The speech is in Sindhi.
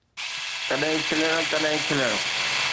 ڪڏھن کلڻ، ڪڏھن کلڻ